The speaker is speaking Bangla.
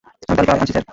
আমি তালিকা আনছি, স্যার।